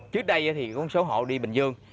trước đây thì có số hộ đi bình dương